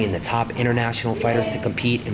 kita membawa pertempuran internasional tertinggi untuk bergabung